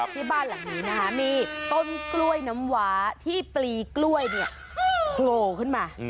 ที่บ้านหลังนี้นะคะมีต้นกล้วยน้ำว้าที่ปลีกล้วยเนี่ยโผล่ขึ้นมา